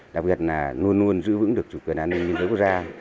luôn luôn giữ vững được chủ quyền an ninh nhân đối quốc gia